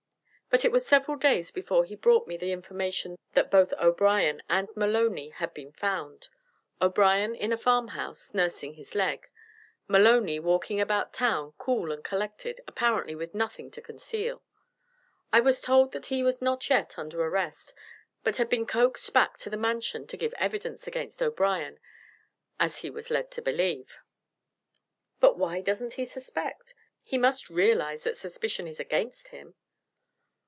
But it was several days before he brought me the information that both O'Brien and Maloney had been found O'Brien in a farm house, nursing his leg; Maloney walking about town, cool and collected, apparently with nothing to conceal. I was told that he was not yet under arrest, but had been coaxed back to the Mansion to give evidence against O'Brien, as he was led to believe. "But why doesn't he suspect? He must realize that suspicion is against him."